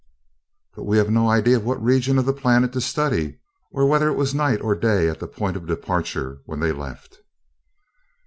"But we have no idea of what region of the planet to study, or whether it was night or day at the point of departure when they left."